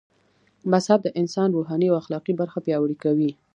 مذهب د انسان روحاني او اخلاقي برخه پياوړي کوي